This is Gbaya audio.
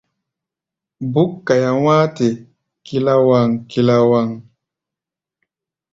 Búk kaia wá̧á̧-te kilawaŋ-kilawaŋ.